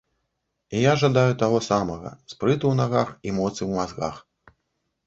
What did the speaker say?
І я жадаю таго самага, спрыту ў нагах і моцы ў мазгах.